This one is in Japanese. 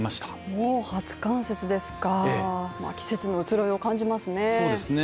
もう初冠雪ですか、季節の移ろいを感じますね。